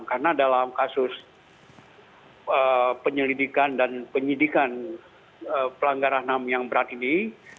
karena dalam kasus penyelidikan dan penyidikan pelanggaran ham yang berat ini